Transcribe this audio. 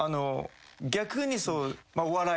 逆に。